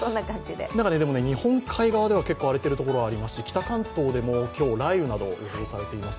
でも日本海側では荒れてるところがありまして北関東でも今日、雷雨などが予想されています。